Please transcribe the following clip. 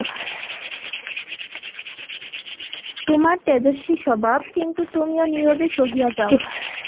তােমার তেজস্বী স্বভাব, কিন্তু তুমিও নীরবে সহিয়া যাও।